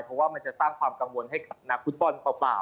เพราะมันจะสร้างความกังวลให้คุดบอล